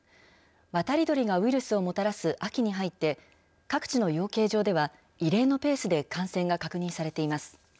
渡り鳥がウイルスをもたらす秋に入って、各地の養鶏場では、異例のペースで感染が確認されています。